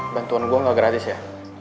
bantuan gue gak gratis ya